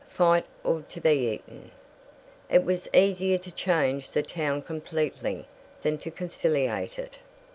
Fight or be eaten. It was easier to change the town completely than to conciliate it!